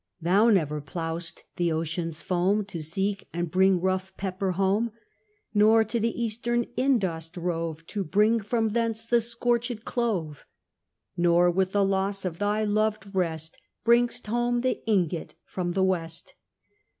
Thou never plough'st the ocean's foam To seek and bring rough pepper home: Nor to the Eastern Ind dost rove To bring from thence the scorched clove: Nor, with the loss of thy loved rest, Bring'st home the ingot from the West.